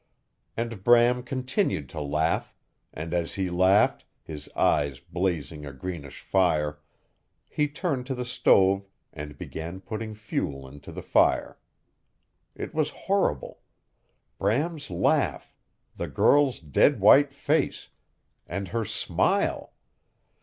And Bram continued to laugh and as he laughed, his eyes blazing a greenish fire, he turned to the stove and began putting fuel into the fire. It was horrible. Bram's laugh the girl's dead white face, AND HER SMILE!